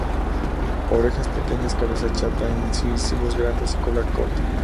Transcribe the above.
Orejas pequeñas, cabeza chata, incisivos grandes y cola corta.